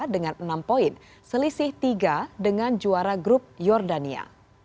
dengan enam poin selisih tiga dengan juara grup jordania